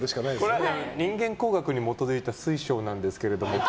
これは人間工学に基づいた水晶なんですけどもって。